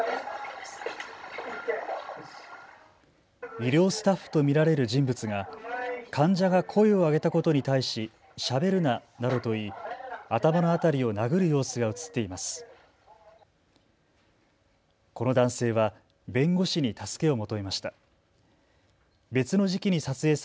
医療スタッフと見られる人物が患者が声を上げたことに対ししゃべるななどと言い、頭の辺りを殴る様子が写っています。